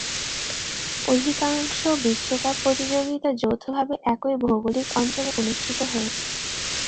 অধিকাংশ বিশ্বকাপ প্রতিযোগিতা যৌথভাবে একই ভৌগোলিক অঞ্চলে অনুষ্ঠিত হয়েছে।